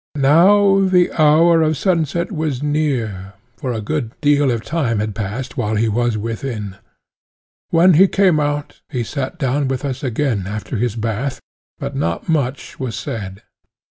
Now the hour of sunset was near, for a good deal of time had passed while he was within. When he came out, he sat down with us again after his bath, but not much was said.